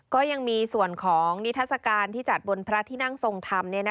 ก็ยังมีส่วนของนิทัศกาลที่จัดบนพระที่นั่งทรงธรรม